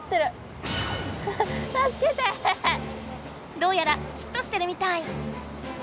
どうやらヒットしてるみたい！